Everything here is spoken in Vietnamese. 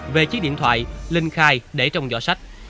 về chiếc điện thoại linh khai để trong giỏ sách